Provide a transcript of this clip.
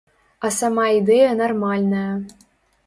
А сама ідэя нармальная.